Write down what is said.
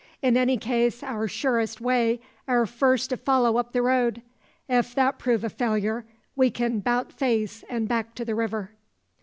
In any case our surest way air first to follow up the road. Ef that prove a failure, we kin 'bout face, an' back to the river."